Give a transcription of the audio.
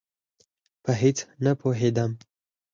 په هېڅ نه پوهېدم.